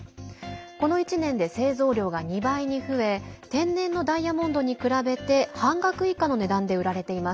この１年で製造量が２倍に増え天然のダイヤモンドに比べて半額以下の値段で売られています。